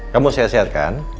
kamu sehat sehat kan